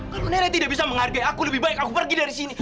kalau nenek tidak bisa menghargai aku lebih baik aku pergi dari sini